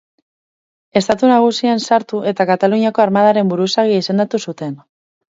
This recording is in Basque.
Estatu Nagusian sartu eta Kataluniako armadaren buruzagi izendatu zuten.